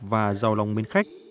và giàu lòng bên khách